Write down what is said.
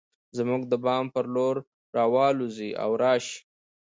زموږ د بام پر لور راوالوزي او راشي